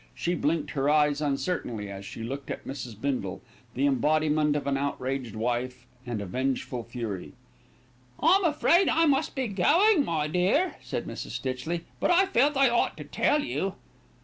She blinked her eyes uncertainly, as she looked at Mrs. Bindle, the embodiment of an outraged wife and a vengeful fury. "I'm afraid I must be going, my dear," said Mrs. Stitchley; "but I felt I ought to tell you."